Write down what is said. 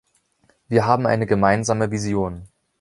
Wir haben eine gemeinsame Vision.